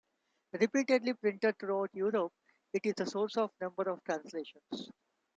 Repeatedly printed throughout Europe, it is the source of a number of translations.